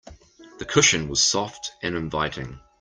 The cushion was soft and inviting.